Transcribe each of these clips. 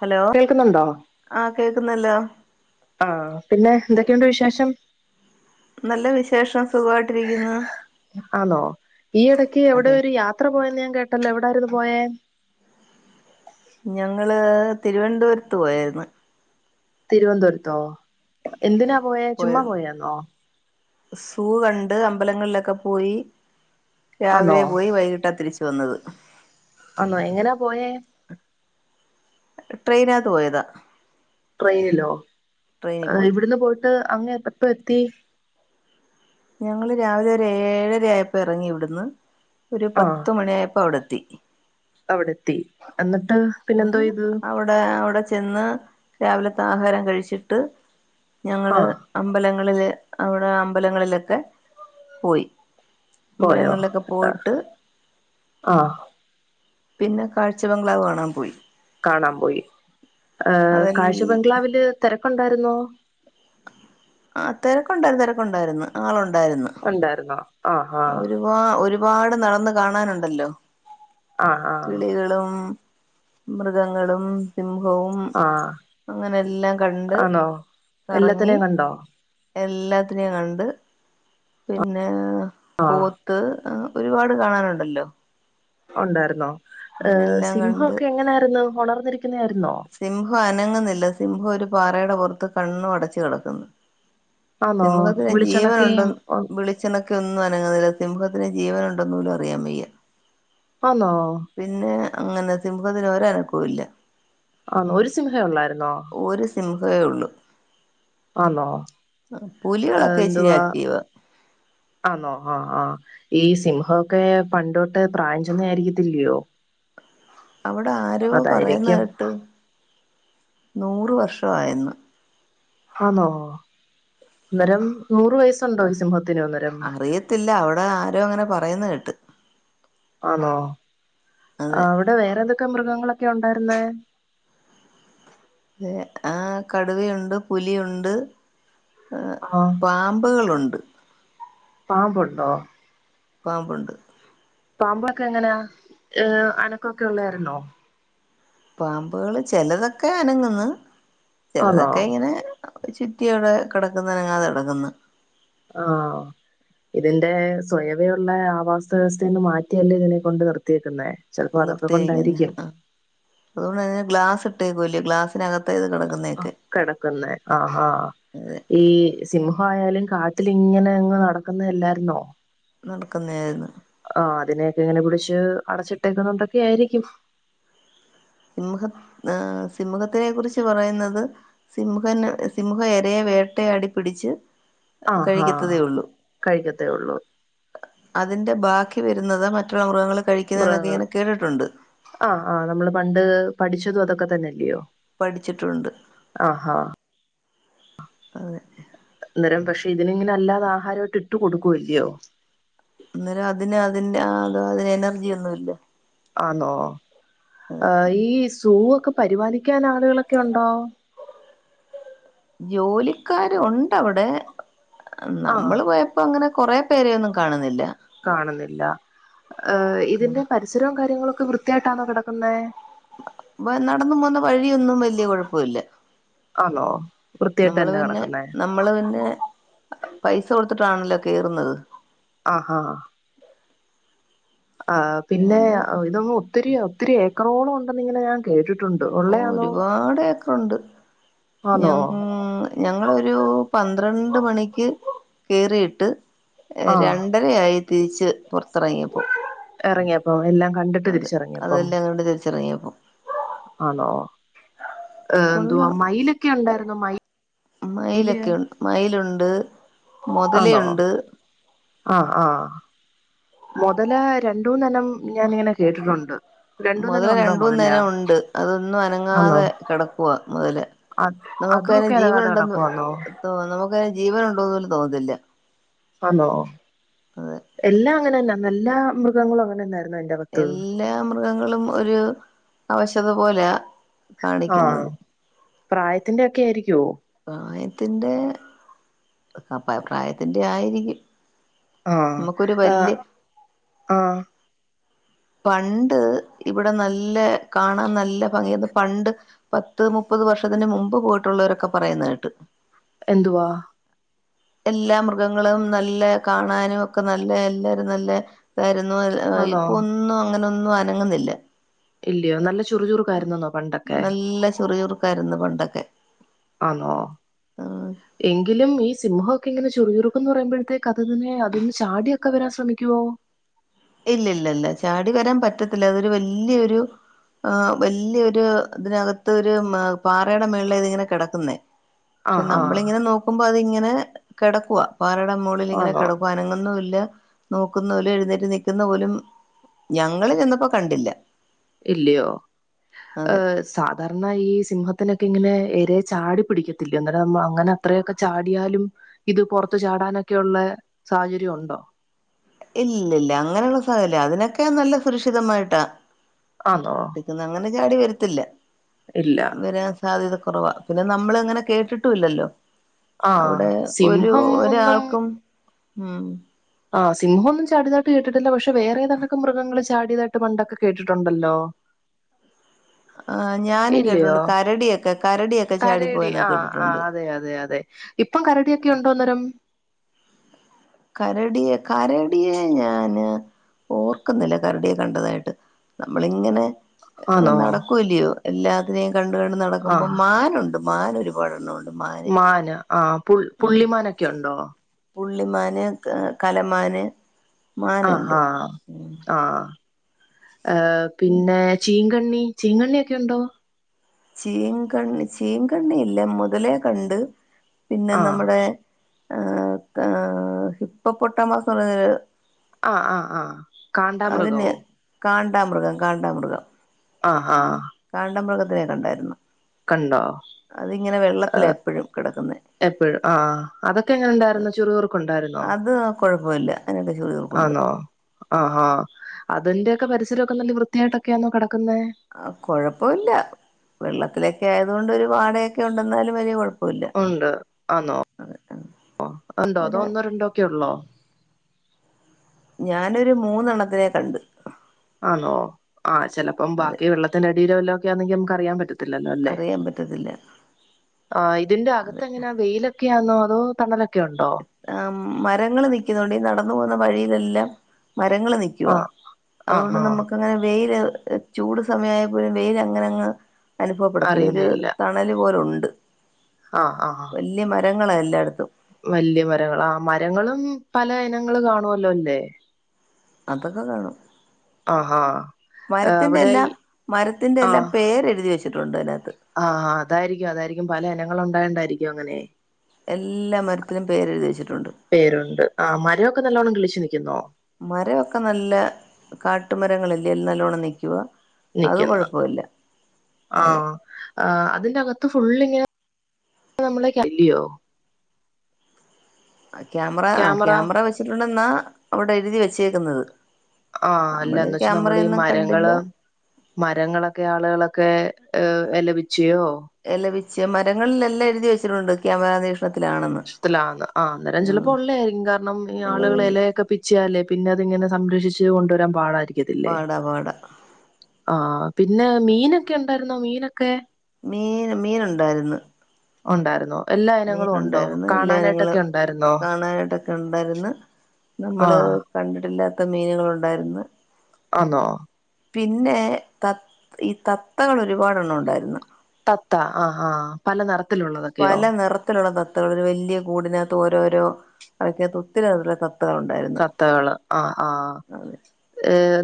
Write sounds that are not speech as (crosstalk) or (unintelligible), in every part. Hello കേൾക്കുന്നുണ്ടോ, ആ കേക്കുന്നല്ലോ ആഹ പിന്നെ ന്തൊക്കെയുണ്ട് വിശേഷം. നല്ല വിശേഷം സുഖവായിട്ടിരിക്ക്ന്ന്‌. ആന്നോ ഈ ഇടക്ക് അവിടെ ഒരു യാത്ര പോയന്ന് ഞാൻ കേട്ടല്ലോ എവിടായിരുന്നു പോയേ? തിരുവൻന്തപുരത്ത് പോയായിര്ന്ന് തിരുവൻന്തപുരത്തോ!... എന്തിനാ പോയെ ചുമ്മാ പോയിരുന്നു പോയന്നോ സൂ കണ്ട്, അമ്പലങ്ങളിലൊക്കെ പോയി ആന്നോ രാവിലെ പോയി വൈകിട്ട തിരിച്ച... വന്നത് അന്നൊ എങ്ങനാ പോയേ ട്രെയിനാത്ത് പോയതാ. ട്രെയിനിലോ.... ട്രെയിനിൽ പോയി ഇവിടന്ന് പോയിട്ട് അങ്ങെ എ.. എപ്പത്തി. ഞങ്ങള് രാവിലെ ഒരു ഏഴര ആയപ്പോ ഇറങ്ങി ഇവിടുന്ന് ഒരു ആഹ് പത്ത് മണിയ ആയപ്പോ അവിടെ എത്തി അവിടെ എത്തി. അന്ന് ഉ അവിടെ അവിടെ ചെന്ന് രാവിലത്തെ ആഹാരം കഴിച്ചിട്ട് ഞങ്ങള് ആഹ് അമ്പലങ്ങളില് അവിടെ അമ്പലങ്ങളിലൊക്കെ പോയി പോയോ അമ്പലങ്ങളിലൊക്കെ പോയിട്ട് ആഹ് പിന്നെ കാഴ്ചബംഗ്ലാവ് കാണാൻ പോയി കാണാപോയി. ഏ.... അതല്ല കാഴ്ച ബംഗ്ലാവില് തിരക്കുണ്ടായിരുന്നോ ആ തിരക്കുണ്ടായിരന്ന് തിരക്കുണ്ടായിരുന് ആളു... ഉണ്ടായിരുന്നോ? ആഹ് ആഹ് ഒരുപാ... ഒരുപാട് നടന്ന് കാണാനുണ്ടല്ലോ. ആഹ് ആഹ് കിളികളും മൃഗങ്ങളും സിം വും ആഹ് അങ്ങനെല്ലാം കണ്ട് ആണോ കറങ്ങി... എല്ലാത്തിനെയും കണ്ടോ എല്ലാത്തിനേം കണ്ട് പിന്നെ.... ആഹ് പോത്ത്, ഒരുപാട് കാണാനുണ്ടല്ലോ ഉണ്ടായിരുന്നോ? അങ്ങനെ ഏർ എല്ലാം സിംഹ കണ്ട് ഒക്കെ എങ്ങനായിരുന്നു ഉണർന്നിരിക്കുന്നായിരുന്നോ? നങ്ങുന്നില്ല സിംഹ ഒരു പാറെടെ പുറത്ത് കണ്ണു അടച്ച് കെടക്കുന്നു ആന്നോ സിംഹത്തിന് വിളിച്ചുണക്കി ജീവനുണ്ടോ വിളിച്ചണൊക്കെ ഒന്നും അനങ്ങുന്നില്ല സിംഹത്തിന് ജീവനുണ്ടന്ന് പോലും അറിയാം വയ്യ. ആന്നോ പിന്നെ അങ്ങനെ സിംഹത്തിന്ന് ഒരഅനക്കൂല്ല ആന്നോ ഒരു സിംഹേ ഉള്ളായിരുന്നോ അതേള്ളൂ ആന്നോ ഏ ഇച്ചിരി എന്തുവാ ആക്റ്റീവാ ആന്നോ ആ ആ ഈ സിംഹോക്കെ പണ്ടോട്ടേ പ്രായംചെന്നായിരിക്കതില്യോ അവിടെ ആരോ പറയുന്ന കേട്ട്? നൂറ് വർഷയെന്ന്. ആന്നോ അന്നേരം നൂറ് വയസ്സുണ്ടോ സിംഹത്തി അറിയത്തില്ല. അവിടെ ആരോ അങ്ങനെ പറയന്ന് കേട്ട്. ആന്നോ അതെ അവിടെ വേറെ എന്തൊക്കെ മൃഗങ്ങളൊക്കെ ഉണ്ടായിരുന്നേ? ആ കടുവയുണ്ട് പുലിയുണ്ട്.. ഹ്.. പാമ്പുകളുണ്ട് പാമ്പ്ണ്ടോ? പാമ്പുണ്ട് പാമ്പൊക്കെ എങ്ങനെയാ, ഏ അനക്കൊക്കെ ഉണ്ടായിരുന്നോ? പാമ്പുകള് ചെലതൊക്കെ അനങ്ങന്ന് ആന്നോ ചെലതൊക്കെ ഇങ്ങനെ ചുറ്റി അവിടെ കിടക്കുന്ന്. നങ്ങാതെ കിടക്കുന്നു. ആ ഇതിന്റെ സ്വയവയുള്ള ആവാസ വ്യവസ്ഥയന്ന് മാറ്റിയല്ലേ ഇതിനെ കൊണ്ട് നിർത്തിയേക്കുന്ന. നിർത്തിയരിക്കന്നെ ആ അതുകൊണ്ട്ഗ്ലാസ് ഇട്ടേക്കേല്ല ഗ്ലാസ്സിനക കിടക്കുന്ന ആ ആ അതെ ഈ സിംഹ ആയാലും കാ ട്ടിൽ ഇങ്ങനെ അങ്ങ് നടക്കുന്ന അല്ലായിരുന്നോ? നടക്കുന്നാരുന്നു. എങ്ങനെ പിടിച്ച് അടച്ചിട്ടേക്കുന്നുണ്ടൊക്കെ ആയിരിക്കും. സിംഹ. ആ സിംഹത്തിനെ കുറിച്ച് പറയുന്നത് സിംഹന് സിംഹ ഏരയേ വേട്ടയാടി പിടിച്ച്. ആ. കഴിക്കത്തതേ ഉള്ളൂ കഴിക്കത്തേ ഉള്ളൂ അതിന്റെ ബാക്കി വരുന്നത് മറ്റുള്ള മൃഗങ്ങളി മൃഗങ്ങൾ. ആ. ആഹ് നമ്മള് പണ്ട് പഠിച്ചതും അതൊക്കെ തന്നെല്ലയോ? പഠിച്ചിട്ടുണ്ട്. അതെ അന്നേരം പക്ഷെ ഇതിങ്ങനെ അല്ലാതെ ആഹാരമായിട്ട് ഇട്ട് കൊടുക്കൂല്ലോ. അന്നേരം അതിന് അതിൻറ അത അതിന് എനർജി ഒന്നും ഇല്ല. ആണോ. ആ ഈ സൂ ഒക്കെ. പരിപാലിക്കാൻ ആളുകളൊക്കെ ഉണ്ടോ? ജോലിക്കാരു ഉണ്ട് അവിടെ, ആഹ് നമ്മള് പോയപ്പോ അങ്ങനെ കൊറെ പേര ഒന്നും കാണുന്നില്ല. കാണുന്നില്ല ഏ ഇതിന്റെ പരിസരവും കാര്യങ്ങളൊക്കെ വൃത്തിയായിട്ടാണോ കിടക്കുന്നേ? നടന്നു പോവുന്ന വഴിയൊന്നും വലിയ കുഴപ്പല്ല. ആണോ വൃത്തിയായിട്ട് നമ്മള് തന്നെ പിന്നെ കിടക്കുന്നേ നമ്മള് പിന്നെ പൈസ കൊട (unintelligible) തിട്ടാണല്ലോ കേറുന്നത് ആഹ ആഹ ആപിന്നെ, അത് ഇതൊ ഒത്തിരി ഒത്തിരി ഏക്കറോളം ഉണ്ടെന്നി ഇങ്ങനെ ഞാൻ കേട്ടു ഓ ഒരുപാട് ഏക്കറുണ്ട് ഞ ആന്നോ ഞങ്ങളൊരു പന് പന്ത്രണ്ട് മണിക്ക് കയറിയിട്ട് ആഹ് രണ്ടരയായി. തിരിച്ച് പുറത്തിറങ്ങിയപ്പോ. ഇറങ്ങിയപ്പം എല്ലാം കണ്ടിട്ട് അത് തിരിച്ച ഇറങ്ങിയപ്പം. അതെല്ലാം കണ്ട് തിരിച്ചിറങ്ങിയപ്പോ ആണോ ഏ എന്ത്‌വ മൈല്ക്കെ ഉണ്ടായിരുന്നൊ മയിൽ മൈലൊക്കെണ്ട്, മൈലുണ്ട് ആണോ ആഹ ആഹ മുതല രണ്ടൂമൂന്നെണ്ണം ഞാാനിങ്ങനെ കേട്ടിട്ടുണ്ട്. മുതല രണ്ടൂന്നെണ്ണം ഉണ്ടോ മൊതല? രണ്ടന്നനേ, ഉണ്ട് അതൊന്നും ആന്നോ അനങ്ങാതെ കിടക്കവാ മുതല. അത് നമുക്ക അതുവൊക്കെ അതിനും അനങ്ങാതെ ജീവൻണ്ടെന്ന് കിടക്കുവാന്നോ നമുക്കയ്ന്, ജീവന ഉണ്ടോന്ന് പോലും തോന്നതില്ല. ആണോ. എല്ലാം അങ്ങനെന്നാ നല്ലാ മൃഗങ്ങളും അങ്ങനെന്ന എല്ലാ മൃഗങ്ങളും ഒരു അവശത പോലെ? ആഹ് കാണിക്കുന്നത്. പ്രായത്തിന്റെ ഒക്കെ ആയിരിക്കുവോ പ്രായത്തിൻ്റെ പ്രായത്തിൻ്റെ ആയിരിക്കും ആഹ നമുക്കൊരു ആഹ വല്യ ആഹ പണ്ട് ഇവിടെ നല്ല കാണാൻ നല്ല ഭംഗിന്ന് പണ്ട് പത്ത് മുപ്പ ത് വർഷത്തിന് മുമ്പ് പോയിട്ടുള്ളവരൊക്കെ പറയുന്നതായിട്ട് എന്തുവാ എല്ലാ മൃഗങ്ങളും നല്ല കാണാനും ഒക്കെ നല്ല എല്ലാരും നല്ലത ആന്നോ ഇപ്പൊ ഒന്നും അങ്ങനെൊന്നും അനങ്ങുന്നില്ല ഇല്ലയോ നല്ല ചുറു ചുറുക്കായിരുന്നന്നോ പണ്ടൊക്കെ ചെറു ചുറുക്കായിരുന്നു പണ്ടൊക്കെ ആണോ എങ്കിലും ഈ സിംഹൊക്കെ ഇങ്ങനെ ചെറ ചുറുക്ക എന്ന് പറയുമ്പോഴത്തേക്ക് അത്തിനെ അതൊന്ന് ചാടിയൊക്കെ വരാൻ ശ്രമിക്കുവോ ഇല്ല ഇല്ല ഇല്ല ചാടി വരാൻ പറ്റത്തില്ല അതൊരു വല്യൊരു ആ വലിയൊരു ഇതിനകത്ത് ഒരു പാറയുടെ മേള ഇതി ഇങ്ങനെ കിടക്കുന്നേ പക്ഷെ ആഹ് ആഹ് നമ്മളിങ്ങനെ നോക്കുമ്പോ അതിങ്ങനെ കിടക്കുവാ പാറയുടെ മുകളിൽ ഇങ്ങനെ ആന്നോ കിടക്കും അനങ്ങുന്നു ഇല്ല നോക്കുന്നുല്ല എഴുന്നേറ്റ് പോലും ഞങ്ങൾ ചെന്നപ്പോ കണ്ടില്ല ഇല്ലയോ ഏ അതെ സാധാരണ ഈ സിംഹത്തിനൊക്കെ ഇങ്ങനെ ഏരയെ ചാടി പിടിക്കത്തില്ല എന്നന്നേ അങ്ങനെ അത്രയൊക്കെ ചാടിയാലും ഇത് പുറത്തു ചാടാനൊക്കെ ഉള്ള സാഹചര്യം ഉണ്ടോ ഇല്ലല്ല അങ്ങനെയുള്ള സാഹചര്യം അതിനൊക്കെ നല്ല സുരക്ഷിതമായിട്ടാ ആണോ ടിക്കുന്ന അങ്ങനെ ചാടി വരത്തില്ല വരാൻ സാധ്യത കുറവാ പിന്നെ നമ്മൾ ഇങ്ങനെ കേട്ടിട്ടുല്ലല്ലോ ആ അവിടെ ഒരു സിംഹം ഒന്നും ഒരാൾക്കും ഉം ആ സിംഹമൊന്നും ചാടിതാട്ട് കേട്ടില്ല പക്ഷേ വെറെതൊട്ടെക്കെ മൃഗങ്ങള ചാടിയതായിട്ട് പണ്ടൊക്കെ കേട്ടിട്ടുണ്ടല്ലോ ആഹ് ഞാനും ഇല്ലയോ കേട്ടിട്ടുണ്ട് കരടിയൊക്കെ കരടിയൊക്കെ കരടി ചാടിപ്പോയെന്ന് ആഹ ആ കേട്ടിട്ടുണ്ട് അതെ അതെ അതെ ഇപ്പം കരടിയൊക്കെ ഉണ്ടോ അന്നേരം കരടിയെ കരടിയേ ഞാന് ഓർക്കുന്നില്ല കരുടിയെ കണ്ടതായിട്ട് നമ്മളിങ്ങനെ ആന്നോ നടക്കൂലയോ എല്ലാത്തിനേും കണ്ട കണ്ട് നടക്കുമ്പോ മാനുണ്ട് മാന് ഒരു പാടാണ്ണമുണ്ട് മാൻ ആ പുള്ളിമാനൊക്കെ ഉണ്ടോ പുള്ളിമാന് കലമാന് ആ മാനുണ്ട് ആ ഉ ഏ പിന്നെ ചീങ്കണ്ണി ചീങ്കണ്ണി ഒക്കെ ഉണ്ടോ ചീങ്കണ്ണി ചീങ്കണ്ണി ഇല്ല മുതലേ കണ്ട് പിന്നെ ആഹ് നമ്മടെ ഏ ഏ ഹിപ്പപ്പൊട്ടാമസ് ന്ന് പറയ്ന്നൊരു ആ ആ ആ അതിന് കാണ്ടാമൃഗം കാണ്ടാമൃഗം ആ ആ അതിനെ കണ്ടായിരുന്നു അതിങ്ങനെ വെള്ളത്തില ഏഹ് എപ്പഴും കെടക്കുന്നേ എപ്പഴും ആ അതൊക്കെ എങ്ങനെ ഉണ്ടായിരുന്നു ചുറു ചുറുക്കു ണ്ടായിരുന്നോ അത് കുഴപ്പമില്ല അതിനൊക്കെ ചുറുചുറുക്കുണ്ട് ആ ആ അതിന്റൊക്കെ പരിസരൊക്കെ നല്ല വൃത്തിയായിട്ടൊക്കെയാണൊ കെട ആ കൊഴപ്പുല്ല വെള്ളത്തിലൊക്കായതോണ്ട് ഒരു വാടയൊക്കെ ഉണ്ടെന്നാലും വലിയ കൊഴപ് ഉണ്ട് ആന്നോ ഉണ്ടോ അതോ അവിടെ ഒന്നോ രണ്ടോ ക്കെ ഉള്ളോ ഞാനൊരു മൂന്നെണ്ണത്തിനെ കണ്ട് ആന്നോ ആ ചെലപ്പം അതെ ബാക്കി വെള്ളത്തിന്റെ അടീലും വല്ലോക്കെ ആണെങ്കി നമുക്ക് അറിയാൻ പറ്റ റ്റത്തില്ലല്ലോ അല്ലെ അറിയാൻ പറ്റത്തില്ല ഇതിന്റെ അതെ അകത്ത്ങ്ങനെ വെയിലൊക്കെ ക്ക്യ ന്നോ അതോ തണൽ ആ മരങ്ങള് നിക്കുന്നോണ്ട് ഈ നടന്നു പോകുന്ന വഴിയിലെല്ലാം മരങ്ങള് നിക്കുവാ ആഹ് ആഹ് അതുകൊണ്ട് ആഹ് നമുക്ക്ങ്ങനെ വെയില് ചൂട് സമയമായ പോലും വെയില അങ്ങനെങ്ങ് അനുഭവപ്പെടത്തില്ല ഒരു തണല് പോല ഉണ്ട് ആ ആ ആ തെങ്ങ്ങള എല്ലായിടത്തും വല്യ മരങ്ങളാ ആ മരങ്ങളും പല ഇനങ്ങൾ കാണുവല്ലോ ല്ലേ അതൊക്കെ കാണും ആഹാ മരത്തിന്റെ അവിടെ എല്ലാം മരത്തിന്റെ എല്ലാം പേരെഴുതി വെച്ചിട്ടുണ്ട് അതിനകത്ത് ആ അതായിരിക്കും അതായിരിക്കും പല ഇനങ്ങളുണ്ടായോണ്ടായിരിക്കും അങ്ങനെ എല്ലാ മരത്തിനും പേരെഴുതിവച്ചിട്ടുണ്ട് പേരുണ്ട് ആ മരൊക്കെ നല്ലോം കിളിച്ച് നിൽക്കുന്നോ മരൊക്കെ നല്ല കാട്ടുമരങ്ങളല്ലേ നല്ലോണം നിക്കുക നിക്കുന്നു ആ അതെ അതിന്റെകത്ത് ഫുള് ഇങ്ങനെ നമ്മളക്കല്ലിയോ ക്യാമറ ആ ക്യാമറ വെച്ചിട്ടുണ്ടെന്നാ അവിടെ എഴുതി വെച്ചേക്കുന്നത് ആ നമ്മള് അല്ലന്ന് വെച്ചാ നമ്മൾ ഈ ക്യാമറയൊന്നും കണ്ടില്ല മരങ്ങള് മരങ്ങളൊക്കെ ആളുകളൊക്കെ ഏ എലപിച്ചിയോ എല്ല മരങ്ങളിലെല്ലാം എഴുതി വെച്ചിട്ടുണ്ട് ക്യാമറ നിരീക്ഷണത്തിലാണെന്ന് ആ അന്നേരം ഉം ചിലപ്പോ ഉള്ളെ ആയിരിക്കും കാരണം ഈ ആളുകൾ ഉള്ളതെനി എലയൊക്കെ പിച്ചിയാല് പിന്നെ അതിങ്ങനെ സംരക്ഷിച്ച് കൊണ്ടുവരാൻ പാടായിരിക്കും പാടാ പാടാ ആ പിന്നെ മീനൊക്കെ ഉണ്ടായിരുന്നോ മീനൊക്കെ മീൻ മീനുണ്ടായിരുന്നു ഉണ്ടായിരുന്നോ എല്ലാ ഇനങ്ങളും ഒണ്ടോ മീനുണ്ടായിരുന്നു കാണാനായിട്ടൊക്കൊണ്ടായിരന്നോ ഒണ്ടായിരുന്ന് നമ്മള് കണ്ടിട്ടില്ലാത്ത മീനുകളുണ്ടായിരുന്നു ആന്നോ പിന്നെ ത ഈ തത്തകള് ഒരുപാട്ണ്ണം ഒണ്ടായിരുന്നു തത്ത ആ ആ പല നെറ പല നിറത്തിലുള്ള തത്തകൾ ഒരു വല്യ കൂടിനകത്ത് ഓരോരോ (unintelligible) ഒത്തിരി (unintelligible) തത്തകള് ആ ആ അതെ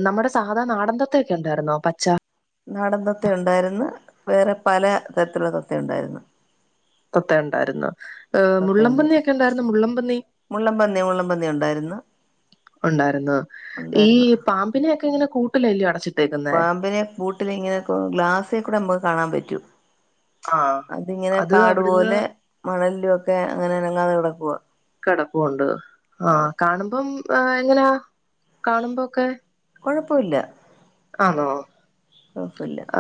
നമ്മുടെ സാധാ നാടൻ ത ത്തെക്കെ ണ്ടായിരുന്നോ പച്ച നാടന്തത്ത ഒണ്ടായിരുന്നു വേറെ പല തരത്തിലുള്ള തത്ത ഒണ്ടായിരുന്നു തത്ത ഒണ്ടായിരുന്നു ഏ ഉണ്ടായിരുന്നു മുള്ളമ്പന്നിക്കെ ഒണ്ടായിരുന്നോ മുള്ളമ്പന്നി മുള്ളൻപന്നി മുള്ളൻപന്നി ഉണ്ടായിരുന്നു ഒണ്ടായിര്ന്നു ഈ ഉണ്ടായിരുന്നു പാമ്പിനൊക്കെങ്ങനെ കൂട്ടിലല്യോ അടച്ചി പാമ്പിനെ കൂട്ടിലിങ്ങനെ പ്പൊ ഗ്ലാസ്സേക്കൂടെ നമ്മുക്ക് കാണാൻ പറ്റും ആഹ് അതിങ്ങനെ അത് കാടു അവിടുന്ന് പോലെ മണലൊക്കെ അങ്ങനെ അനങ്ങാതെ കെടക്കുവ കെടപ്പുണ്ട്. ആ കാണുമ്പോ ഏ എങ്ങനാ കാണുമ്പോക്കെ? കുഴപ്പമില്ല ആണോ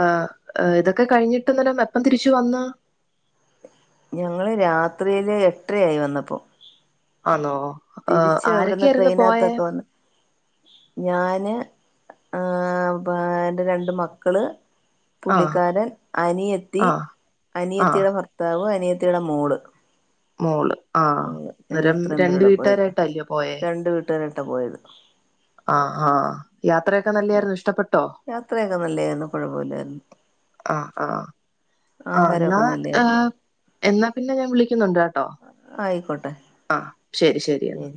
ആ ഏ ഇതൊക്കെ കഴിഞ്ഞിട്ടേന്നരം എപ്പം തിരിച്ചു വന്ന? ഞങ്ങള് രാത്രിയില് എട്ടരയായി വന്നപ്പം. ആന്നോ തിരിച്ചു ഇവിടന്ന് ആരൊക്കെയായിരുന്നു പോയേ ട്രെയിനകത്തൊക്കെ വന്ന് ഞാന് ആ എന്റെ രണ്ട് മക്കള് ആഹ് പുള്ളിക്കാരൻ, അനിയത്തി, ആഹ് ആഹ് അനിയത്തിയുടെ ഭർത്താവ്, അനിയ യുടെ മോള് മോള് ആ. ഞങ്ങൾ അന്നേരം ഇത്രയും രണ്ട് വീട്ടുകാരായിട്ടല്ലയോ പോയേ ട്ട പോയത്. ആഹ് ആഹ് യാത്രയൊക്കെ നല്ലായിരുന്നൊ ഇഷ്ടപ്പെട്ടോ? യാത്രയൊക്കെ നല്ലായിരുന്നു കുഴപ്പമില്ലായിരുന്നു ആ ആ ആ ന്നാ ആഹാരമൊക്കെ ഏ നല്ലായിരുന്നു എന്നാ പിന്നെ ഞാൻ വിളിക്കുന്നുണ്ട് കേട്ടോ ആയിക്കോട്ടെ ആ ശരി ശരി എന്നാ.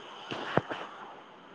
(inaudible)